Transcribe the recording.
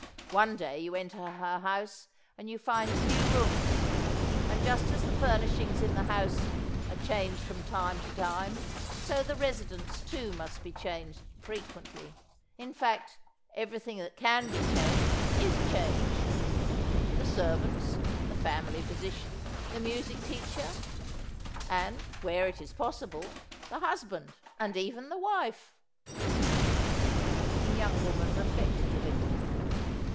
One day you enter her house and you find new rooms. And just as the furnishings in the house are changed from time to time, so the residence too must be changed frequently in fact, everything that can be changed is changed: The servants, the family physician, the music teacher, and, where it is possible, the husband and even the wife." The young woman reflected a little.